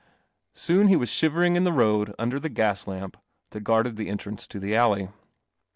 Soon he was shiver ing in the road under the gas lamp that guarded the entrance to the alley.